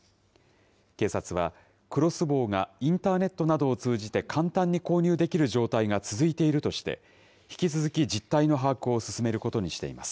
警察は、クロスボウがインターネットなどを通じて簡単に購入できる状態が続いているとして、引き続き実態の把握を進めることにしています。